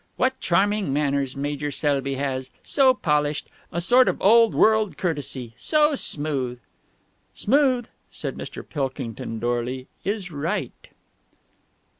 "What charming manners Major Selby has. So polished. A sort of old world courtesy. So smooth!" "Smooth," said Mr. Pilkington dourly, "is right!"